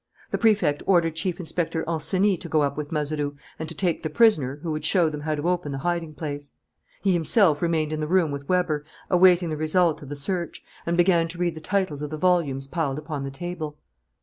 The Prefect ordered Chief Inspector Ancenis to go up with Mazeroux and to take the prisoner, who would show them how to open the hiding place. He himself remained in the room with Weber, awaiting the result of the search, and began to read the titles of the volumes piled upon the table.